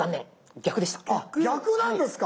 逆なんですか！